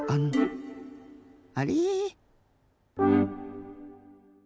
あれ？